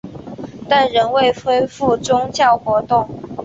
但仍未恢复宗教活动。